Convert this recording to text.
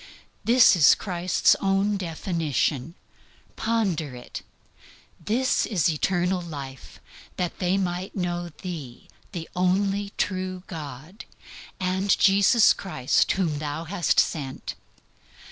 This is Christ's own definition. Ponder it. "This is life eternal, that they might know Thee the only true God, and Jesus Christ whom Thou hast sent."